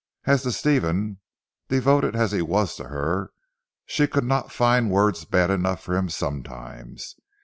As to Stephen, devoted as he was to her, she could not find words bad enough for him sometimes.